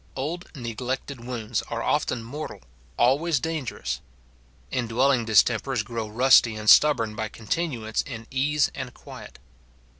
Old neglected wounds are often mortal, always dangerous. Indwelling distempers grow rusty and stubborn by con tinuance in ease and quiet.